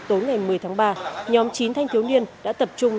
tối ngày một mươi tháng ba nhóm chín thanh thiếu niên đã tập trung